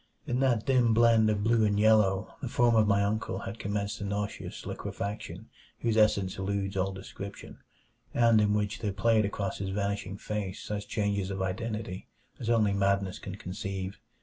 In that dim blend of blue and yellow the form of my uncle had commenced a nauseous liquefaction whose essence eludes all description, and in which there played across his vanishing face such changes of identity as only madness can conceive.